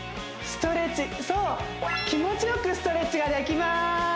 ストレッチそう気持ちよくストレッチができます